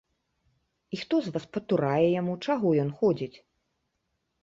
І хто з вас патурае яму, чаго ён ходзіць?